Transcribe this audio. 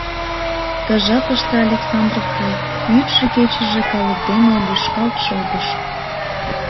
Ты жапыште Александров-Гай йӱдшӧ- кечыже калык дене лӱшкалт шогыш.